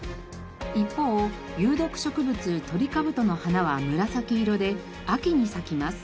一方有毒植物トリカブトの花は紫色で秋に咲きます。